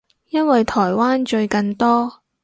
因為台灣最近多